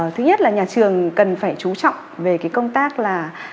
thứ nhất là nhà trường cần phải chú trọng về cái công tác là